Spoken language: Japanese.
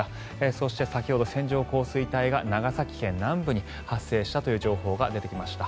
そして、先ほど線状降水帯が長崎県南部に発生したという情報が出てきました。